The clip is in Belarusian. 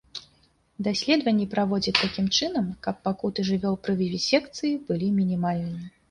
Даследванні праводзяць такім чынам, каб пакуты жывёл пры вівісекцыі былі мінімальнымі.